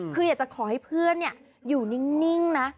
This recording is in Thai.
คืออยากจะขอให้เพื่อนอยู่นิ่งนะ